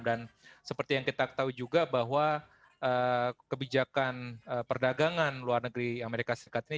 dan seperti yang kita tahu juga bahwa kebijakan perdagangan luar negeri amerika serikat ini